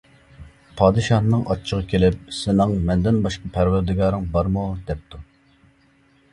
پادىشاھنىڭ ئاچچىقى كېلىپ: ‹سېنىڭ مەندىن باشقا پەرۋەردىگارىڭ بارمۇ؟ ›، دەپتۇ.